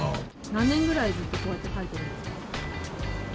何年ぐらいずっとこうやって書いてるんですか？